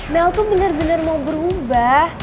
mel tuh bener bener mau berubah